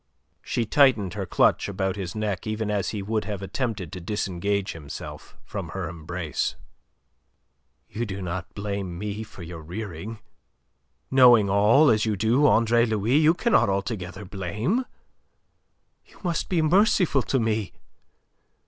She tightened her clutch about his neck even as he would have attempted to disengage himself from her embrace. "You do not blame me for your rearing? Knowing all, as you do, Andre Louis, you cannot altogether blame. You must be merciful to me.